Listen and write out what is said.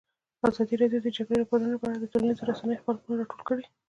ازادي راډیو د د جګړې راپورونه په اړه د ټولنیزو رسنیو غبرګونونه راټول کړي.